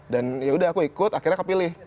dan yaudah aku ikut akhirnya kepilih